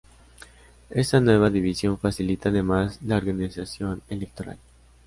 Esta nueva división facilita además la organización electoral.